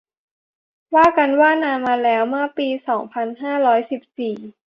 ว่ากันว่า นานมาแล้ว เมื่อปี สองพันห้าร้อยสิบสี่